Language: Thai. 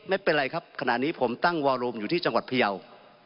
ไม่เป็นไรครับขณะนี้ผมตั้งวอลูมอยู่ที่จังหวัดพยาว